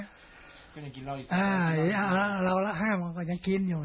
อะระวังแล้วห้ามเขาก็ยังกินอยู่